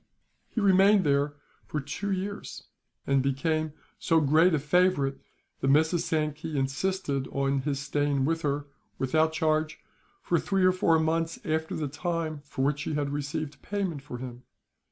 He remained there for two years, and became so great a favourite that Mrs. Sankey insisted on his staying with her, without charge, for three or four months after the time for which she had received payment for him.